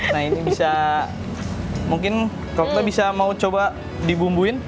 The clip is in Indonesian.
nah ini bisa mungkin kalau kita bisa mau coba dibumbuin